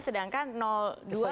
sedangkan dua berbeda